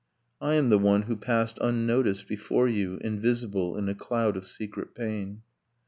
'I am the one who passed unnoticed before you, Invisible, in a cloud of secret pain.'